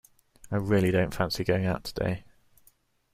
I really don't fancy going out today.